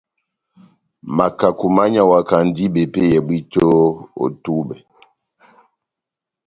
Makaku mányawakandi bepéyɛ bwíto ó tubɛ.